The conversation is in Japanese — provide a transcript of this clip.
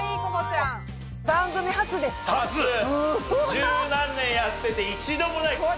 十何年やってて一度もない。